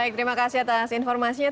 terima kasih atas informasinya